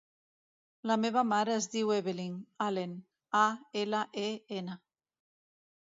La meva mare es diu Evelyn Alen: a, ela, e, ena.